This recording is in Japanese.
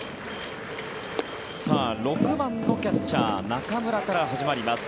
６番のキャッチャー中村から始まります。